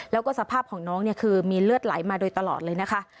แล้วก็สภาพของน้องเนี่ยคือมีเลือดไหลมาโดยตลอดเลยนะคะ